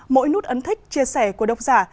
mỗi nút ấn thích chia sẻ của độc giả